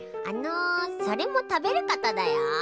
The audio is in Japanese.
あのそれもたべることだよ。